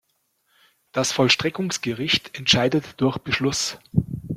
Das Vollstreckungsgericht entscheidet durch Beschluss.